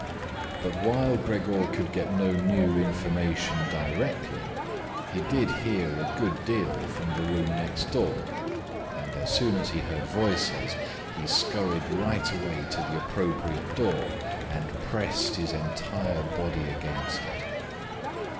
But while Gregor could get no new information directly, he did hear a good deal from the room next door, and as soon as he heard voices, he scurried right away to the appropriate door and pressed his entire body against it.